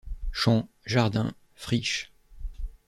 Champs, jardins, friches...